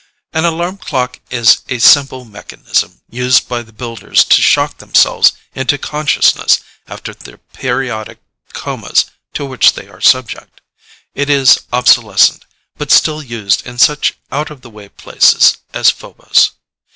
An alarm clock is a simple mechanism used by the Builders to shock themselves into consciousness after the periodic comas to which they are subject. It is obsolescent, but still used in such out of the way places as Phobos.